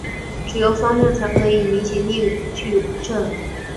只有方阵才可能有逆矩阵。